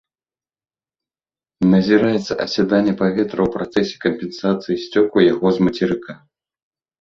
Назіраецца асяданне паветра ў працэсе кампенсацыі сцёку яго з мацерыка.